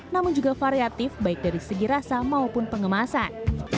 namun juga variatif baik dari segi rasa maupun pengemasan